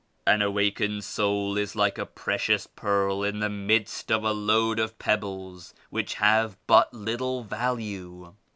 An awak ened soul is like a precious pearl in the midst of a load of pebbles which have but little value.